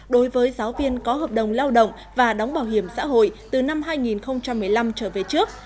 đối với giáo viên có hợp đồng lao động và đóng bảo hiểm xã hội từ năm hai nghìn một mươi năm trở về trước